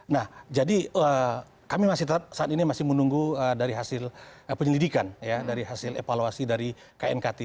nah jadi kami masih tetap saat ini masih menunggu dari hasil penyelidikan dari hasil evaluasi dari knkt